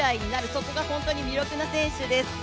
そこが本当に魅力な選手です。